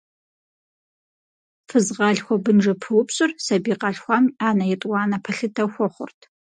Фызгъалъхуэ–бынжэпыупщӏыр сабий къалъхуам анэ етӏуанэ пэлъытэ хуэхъурт.